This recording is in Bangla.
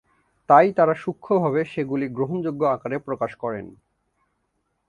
তাই তারা সূক্ষ্মভাবে সেগুলি গ্রহণযোগ্য আকারে প্রকাশ করেন।